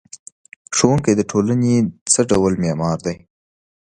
ښوونکی د ټولنې څه ډول معمار دی؟